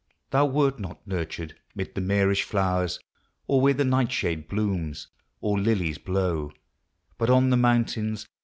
Thou wert not nurtured 'mid the marish flowers, Or where the nightshade blooms, or lilies blow: But on the mountains.